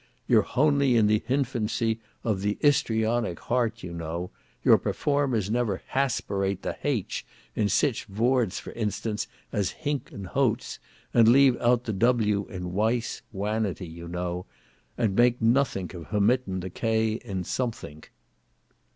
You're honely in the hinfancy of the istoryonic hart you know; your performers never haspirate the haitch in sich vords for instance as hink and hoats, and leave out the w in wice wanity you know; and make nothink of homittin the k in somethink."